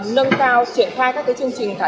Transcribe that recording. nâng cao triển thai các chương trình